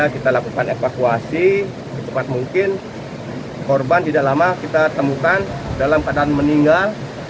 kita lakukan evakuasi secepat mungkin korban tidak lama kita temukan dalam keadaan meninggal